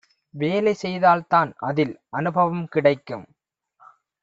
வேலை செய்தால் தான் அதில் அனுபவம் கிடைக்கும்.